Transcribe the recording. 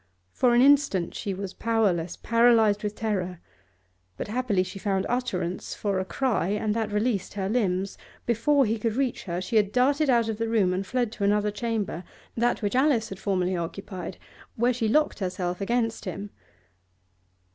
For an instant she was powerless, paralysed with terror; but happily she found utterance for a cry, and that released her limbs. Before he could reach her, she had darted out of the room, and fled to another chamber, that which Alice had formerly occupied, where she locked herself against him.